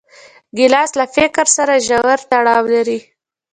ګیلاس له فکر سره ژور تړاو لري.